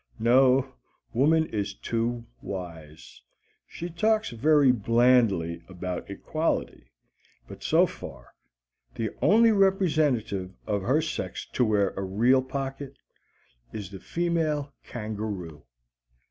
No, woman is too wise. She talks very blandly about equality, but so far the only representative of her sex to wear a real pocket is the female kangaroo.